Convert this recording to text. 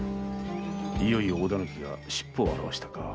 いよいよ大狸が尻尾を現したか。